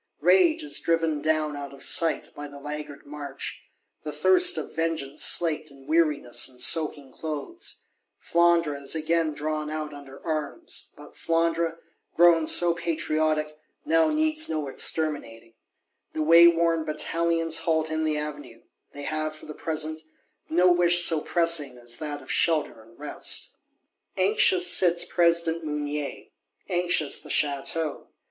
Rage is driven down out of sight, by the laggard march; the thirst of vengeance slaked in weariness and soaking clothes. Flandre is again drawn out under arms: but Flandre, grown so patriotic, now needs no "exterminating." The wayworn Batallions halt in the Avenue: they have, for the present, no wish so pressing as that of shelter and rest. Anxious sits President Mounier; anxious the Château.